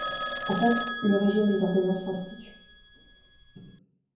En fait, le régime des ordonnances s'institue.